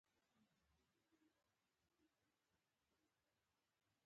ترموز د زړه تودوخه لري.